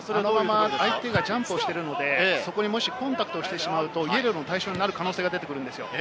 相手がジャンプをしているので、そこにもしコンタクトしてしまうとイエローの対象になってくる可能性があるんです。